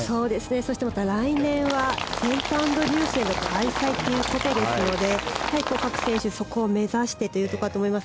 そしてまた来年はセントアンドリュースでの開催ということですので各選手、そこを目指してというところだと思います。